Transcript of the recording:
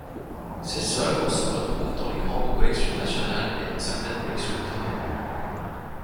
Ses œuvres se retrouvent dans les grandes collections nationales et dans certaines collections privées.